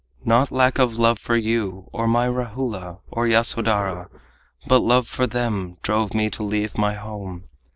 Not lack of love for you, Or my Rahula or Yasodhara, But love for them drove me to leave my home.